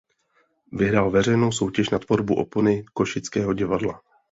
Vyhrál veřejnou soutěž na tvorbu opony Košického divadla.